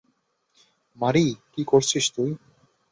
মারি, কী করছিস তুই?